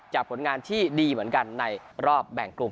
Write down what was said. ผลงานที่ดีเหมือนกันในรอบแบ่งกลุ่ม